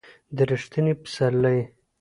د ر یښتني پسرلي